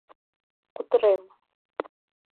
Кутырем...